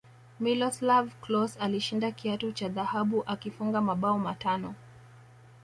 miloslav klose alishinda kiatu cha dhahabu akifunga mabao matano